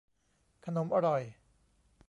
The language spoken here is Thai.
ขนมอร่อย